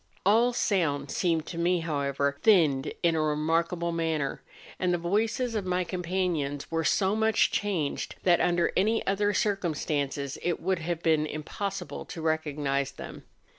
All sounds seemed to me, however, thinned in a remarkable manner, and the voices of my companions were so much changed that under any other circumstances it would have been im¬ possible to recognise them.